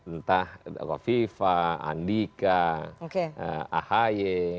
entah kofifa andika ahy